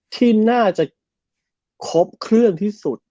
ที่น่าจะครบเครื่องที่สุด